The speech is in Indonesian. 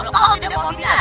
kau tidak mau minasah